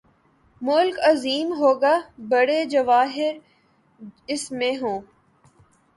ملک عظیم ہو گا، بڑے جواہر اس میں ہوں۔